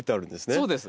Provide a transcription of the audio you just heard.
そうです。